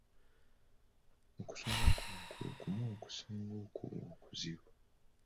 Okusoma kuno kwe kumu okusinga okuba okuzibu.